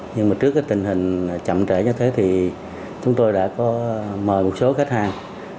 nhưng mà trước cái tình hình chậm trễ như thế thì chúng tôi đã có mời một số khách hàng